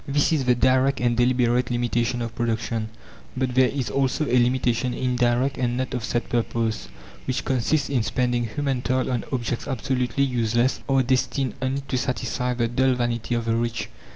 This is the direct and deliberate limitation of production; but there is also a limitation indirect and not of set purpose, which consists in spending human toil on objects absolutely useless, or destined only to satisfy the dull vanity of the rich.